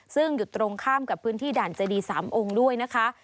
ซึ่งอยู่ตรงข้ามกับพื้นที่ด่านเจดี๓องค์ด้วยนะคะ